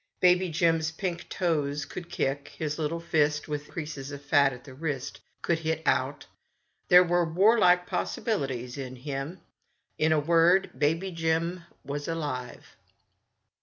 Baby Jim's pink toes could kick ; his little fist, with the creases of fat at the wrist, could hit out ; there were warlike possibili ties in him. In a word, Baby Jim was alive.